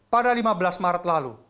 pada lima belas maret lalu